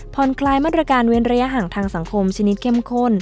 คลายมาตรการเว้นระยะห่างทางสังคมชนิดเข้มข้น